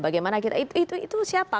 bagaimana kita itu siapa